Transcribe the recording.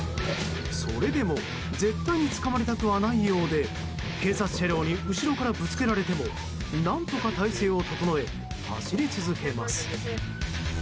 それでも絶対につかまりたくはないようで警察車両に後ろからぶつけられても何とか体勢を整え走り続けます。